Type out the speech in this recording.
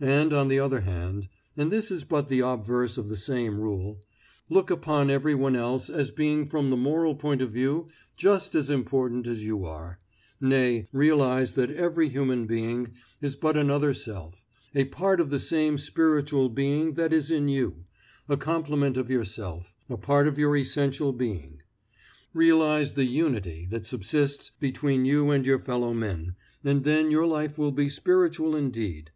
And, on the other hand (and this is but the obverse of the same rule), look upon everyone else as being from the moral point of view just as important as you are; nay, realize that every human being is but another self, a part of the same spiritual being that is in you, a complement of yourself, a part of your essential being. Realize the unity that subsists between you and your fellow men, and then your life will be spiritual indeed.